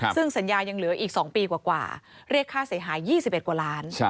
ซึ่งสัญญายังเหลืออีก๒ปีกว่าเรียกค่าเสียหาย๒๑กว่าล้าน